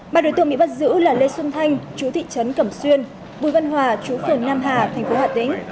mà đối tượng bị bắt giữ là lê xuân thanh chú thị trấn cẩm xuyên bùi văn hòa chú phường nam hà tp hà tĩnh